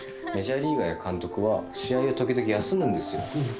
「メジャーリーガーや監督は試合を時々休むんですよ」